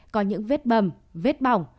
có những vết bầm vết bỏng